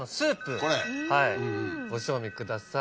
ご賞味ください。